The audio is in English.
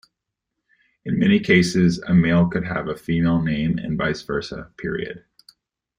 In many cases, a male could have a female name and vice versa.